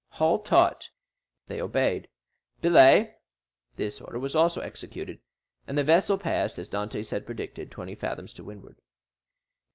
"Haul taut." They obeyed. "Belay." This order was also executed; and the vessel passed, as Dantès had predicted, twenty fathoms to windward.